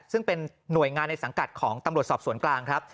ซึ่งเป็นหน่วยงานในสังกัดของตำรวจสอบสวนกลางครับ